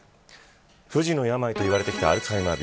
不治の病と言われてきたアルツハイマー病。